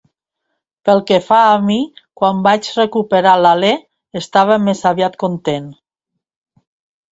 Pel que fa a mi, quan vaig recuperar l'alè, estava més aviat content.